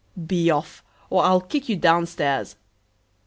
Be off, or I'll kick you down stairs.